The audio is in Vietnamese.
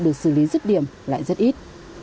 được xử lý rất điểm lại rất ít